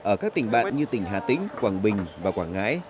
ở các tỉnh bạn như tỉnh hà tĩnh quảng bình và quảng ngãi